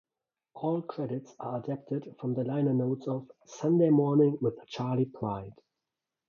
All credits are adapted from the liner notes of "Sunday Morning with Charley Pride".